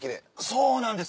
そうなんです。